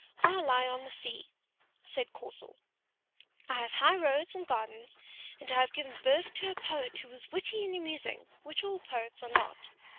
I lie on the sea," said Corsor; "I have high roads and gardens, and I have given birth to a poet who was witty and amusing, which all poets are not.